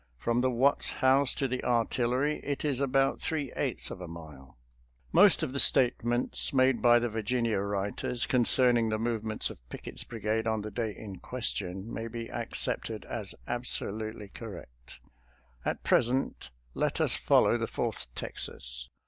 From the Watts house to the artillery it is about three eighths of a mile. Most of the statements made by the Virginia writers concerning the movements of Pickett's brigade on the day in question may be accepted as absolutely correct. At present, let us follow the Fourth Texas.